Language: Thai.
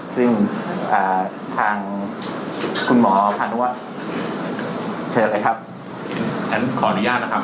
ซึ่งอ่าทางคุณหมอพาณัวเชิญเลยครับอันนั้นขออนุญาตนะครับ